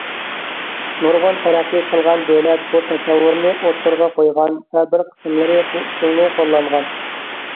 نۇرغۇن تەرەققىي قىلغان دۆلەت بۇ تەسەۋۋۇرنى ئوتتۇرىغا قويغان ۋە بىر قىسىملىرى بۇ ئۇسۇلنى قوللانغان.